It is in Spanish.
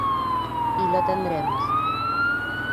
Y lo tendremos".